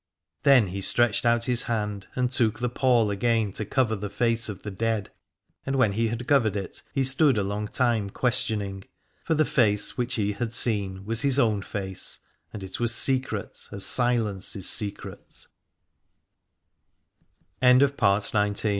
Then he stretched out his hand and took the pall again to cover the face of the dead. And when he had covered it he stood a long time questioning : for the face which he had seen was his own face, and it was sec